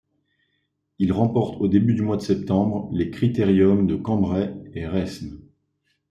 Il remporte au début du mois de septembre les critériums de Cambrai et Raismes.